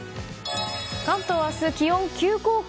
関東明日、気温急降下。